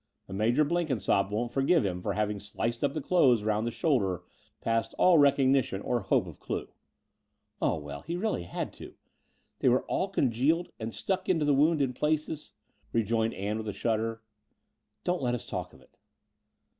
"But Major Blenkinsopp won't forgive him for having sliced up the clothes round the shoulder past all recognition or hope of clue." "Oh, well, he really had to. They were all con gealed and stuck into the woxmd in places," re joined Ann, with a shudder. "Don't let us talk of it."